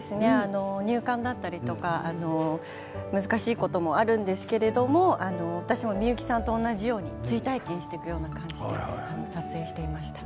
入管だったりとか難しいこともあるんですけれど私もミユキさんと同じように追体験していくような感じで撮影していました。